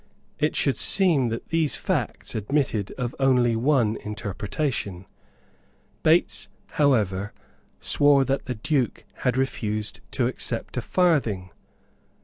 It should seem that these facts admitted of only one interpretation. Bates however swore that the Duke had refused to accept a farthing.